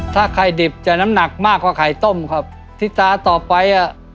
ถ้าไข่ดิบจะน้ำหนักมากกว่าไข่ต้มครับที่ตาต่อไปอ่ะ